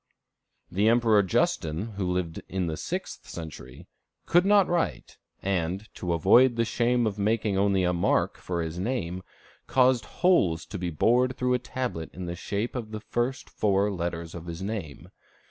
The Emperor Justin, who lived in the sixth century, could not write, and, to avoid the shame of making only a mark for his name, caused holes to be bored through a tablet in the shape of the first four letters of his name.